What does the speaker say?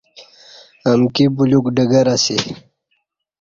امکی بلیوک ڈگرہ اسی